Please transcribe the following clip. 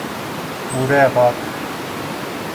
— Үрәғат!